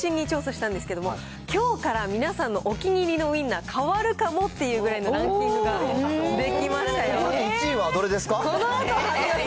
今回、味を中心に調査したんですけど、きょうから皆さんのお気に入りのウインナー変わるかもっていうくらいなランキングができましたよ。